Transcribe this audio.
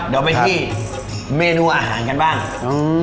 เดี๋ยวไปที่เมนูอาหารกันบ้างอืม